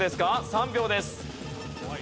３秒です。